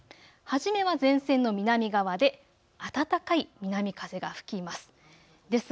初めは前線の南側で暖かい南風が吹きます。